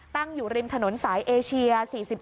ตั้งอยู่ริมถนนสายเอเชีย๔๗